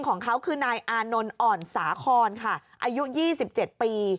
ของเขาคือนายอานนท์อ่อนสาครค่ะอายุยี่สิบเจ็ดปี